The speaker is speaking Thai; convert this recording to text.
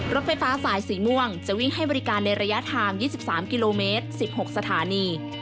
รถไฟฟ้าสายสีม่วงจะวิ่งให้บริการในระยะทาง๒๓กิโลเมตร๑๖สถานี